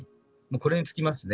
これに尽きますね。